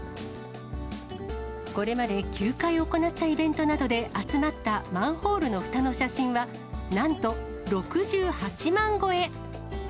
これまで９回行ったイベントなどで、集まったマンホールのふたの写真はなんと、６８万超え。